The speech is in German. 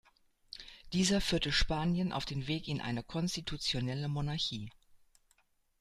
Dieser führte Spanien auf den Weg in eine konstitutionelle Monarchie.